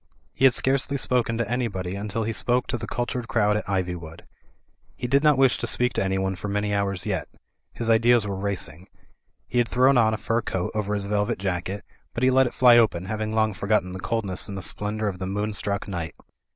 He had scarcely spoken to anybody until he spoke to the cultured crowd at Ivjrwood. He did not wish to speak to anyone for many hours yet. His ideas were racing. He had thrown on a fur coat over his velvet jacket, but he let it fly open, having long forgotten the coldness in the splendour of the moonstruck night.